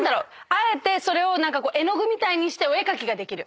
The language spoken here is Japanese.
あえてそれを絵の具みたいにしてお絵描きができる。